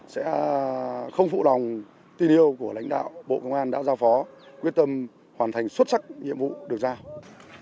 sẽ không phụ lòng tin yêu của lãnh đạo bộ công an đã giao phó quyết tâm hoàn thành xuất sắc nhiệm vụ được giao